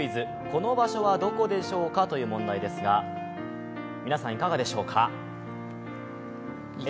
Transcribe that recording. この場所はどこでしょうかという問題ですが、皆さん、いかがでしょうか。